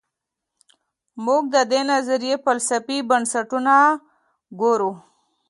موږ د دې نظریې فلسفي بنسټونه ګورو.